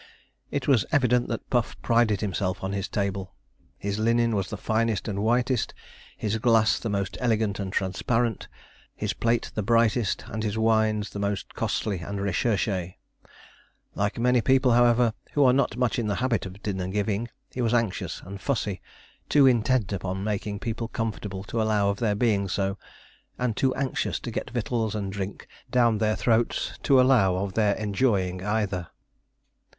It was evident that Puff prided himself on his table. His linen was the finest and whitest, his glass the most elegant and transparent, his plate the brightest, and his wines the most costly and recherché. Like many people, however, who are not much in the habit of dinner giving, he was anxious and fussy, too intent upon making people comfortable to allow of their being so, and too anxious to get victuals and drink down their throats to allow of their enjoying either.